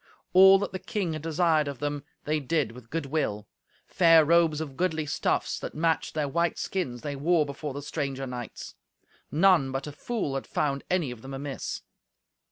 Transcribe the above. All that the king had desired of them they did with good will. Fair robes of goodly stuffs that matched their white skins they wore before the stranger knights. None but a fool had found any of them amiss.